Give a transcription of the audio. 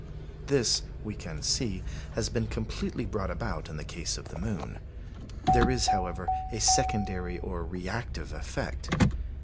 This, we can see, has been completely brought about in the case of the moon. There is, however, a secondary or reactive effect.